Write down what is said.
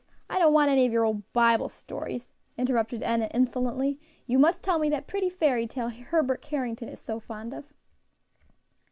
I don't want any of your old Bible stories," interrupted Enna, insolently, "You must tell me that pretty fairy tale Herbert Carrington is so fond of."